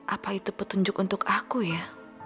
apa itu petunjuk untuk aku ya